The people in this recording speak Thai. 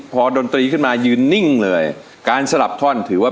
โปรดติดตามต่อไป